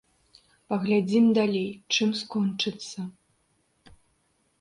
Паглядзім далей, чым скончыцца.